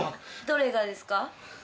どれがですか？